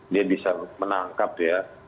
dia bisa menangkap ya